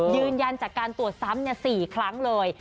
ยืนยันจากการตรวจซ้ำ๔ครั้งเลย